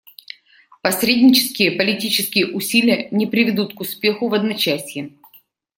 Посреднические политические усилия не приведут к успеху в одночасье.